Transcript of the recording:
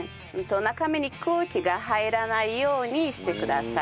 中身に空気が入らないようにしてください。